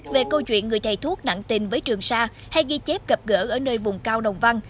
về câu chuyện người thầy thuốc nặng tình với trường sa hay ghi chép gặp gỡ ở nơi vùng cao đồng văn